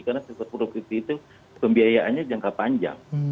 karena sektor properti itu pembiayaannya jangka panjang